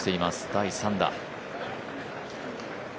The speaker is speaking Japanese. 第３打。